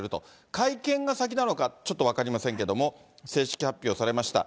会見が先なのかちょっと分かりませんけども、正式発表されました。